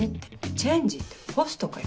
「チェンジ」ってホストかよ。